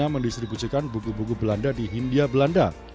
mendistribusikan buku buku belanda di hindia belanda